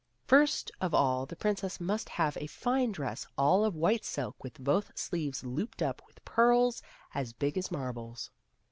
First of all the princess must have a fine dress all of white silk with both sleeves looped up with pearls as big as marbles.